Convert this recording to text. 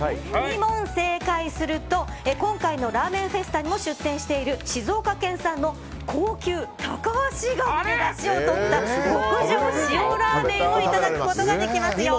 ２問正解すると今回のラーメンフェスタにも出店している静岡県産の高級タカアシガニでだしをとった極上塩らぁ麺をいただくことができますよ。